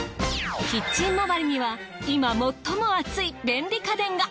キッチン周りには今最もアツい便利家電が。